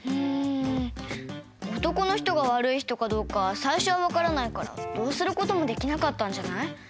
男の人が悪い人かどうかさいしょはわからないからどうする事もできなかったんじゃない？